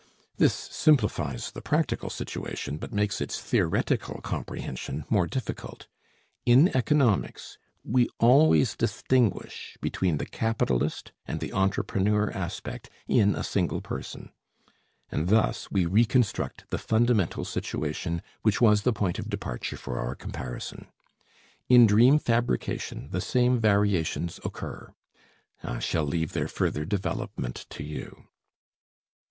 This simplifies the practical situation, but makes its theoretical comprehension more difficult. In economics we always distinguish between the capitalist and the entrepreneur aspect in a single person, and thus we reconstruct the fundamental situation which was the point of departure for our comparison. In dream fabrication the same variations occur. I shall leave their further development to you.